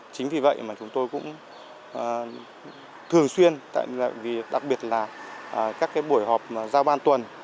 chính vì vậy mà chúng tôi cũng thường xuyên đặc biệt là các buổi họp giao ban tuần